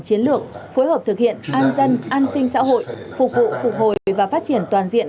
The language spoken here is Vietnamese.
chiến lược phối hợp thực hiện an dân an sinh xã hội phục vụ phục hồi và phát triển toàn diện